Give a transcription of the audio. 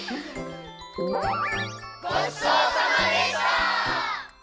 ごちそうさまでした！